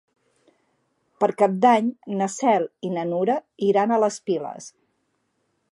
Per Cap d'Any na Cel i na Nura iran a les Piles.